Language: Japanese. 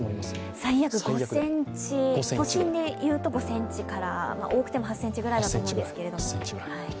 最悪、都心で５ｃｍから多くても８ｃｍぐらいだと思うんですけど。